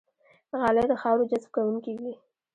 غالۍ د خاورو جذب کوونکې وي.